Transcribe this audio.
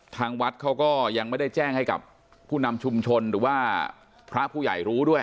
ทางวัดเขาก็ยังไม่ได้แจ้งให้กับผู้นำชุมชนหรือว่าพระผู้ใหญ่รู้ด้วย